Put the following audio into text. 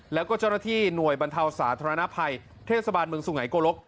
แล้วก็เจ้าหน้าที่หน่วยบรรเทาสาธารณภัยเทศบาลเมืองสุไงโกลก